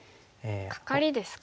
カカリですか。